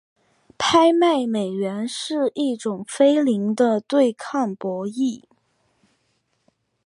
拍卖美元是一种非零和对抗博弈。